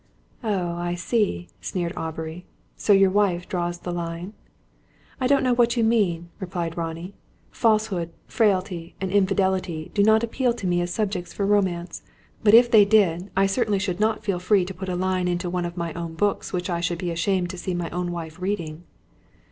"Oh, I see," sneered Aubrey. "So your wife draws the line?" "I don't know what you mean," replied Ronnie. "Falsehood, frailty, and infidelity, do not appeal to me as subjects for romance. But, if they did, I certainly should not feel free to put a line into one of my books which I should be ashamed to see my own wife reading."